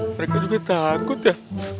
mereka juga takut ya